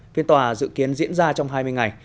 phiên tòa dự kiến diễn ra trong hai mươi ngày